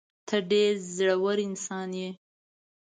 ته ډېر زړه ور انسان یې.